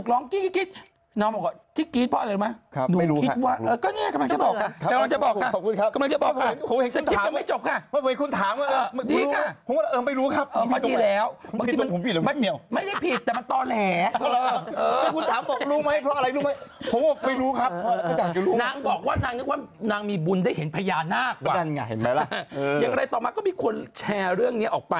แล้วมันทำงอเพื่อ